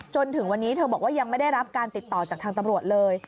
จนถึงวันนี้เธอบอกว่ายังไม่ได้รับการติดต่อจากทางตำรวจเลย